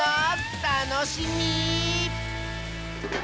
たのしみ！